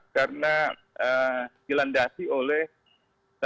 karena dilandasi oleh satu usaha